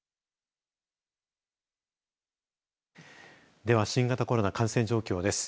では、新型コロナ感染状況です。